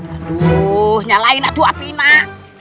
aduh nyalain api nak